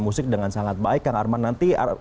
musik dengan sangat baik kang arman nanti